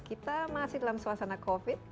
kita masih dalam suasana covid